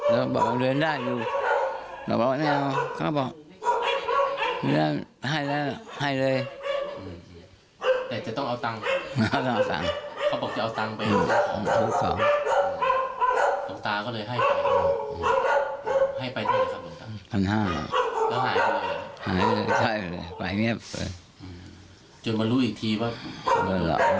เราบอกว่าเงินได้อยู่